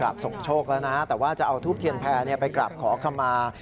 อาจจะเอาทูปเทียนแพ้ไปกราบขอข้ามา